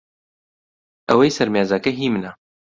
ئەوەی سەر مێزەکە هی منە.